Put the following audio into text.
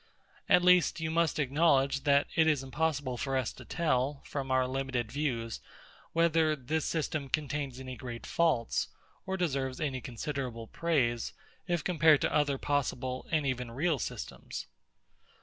At least, you must acknowledge, that it is impossible for us to tell, from our limited views, whether this system contains any great faults, or deserves any considerable praise, if compared to other possible, and even real systems.